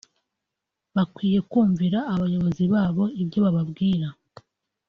Bakwiye kumvira abayobozi babo ibyo bababwira…”